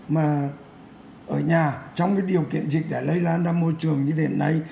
mà ở nhà trong cái điều kiện dịch đã lây lan ra môi trường như thế này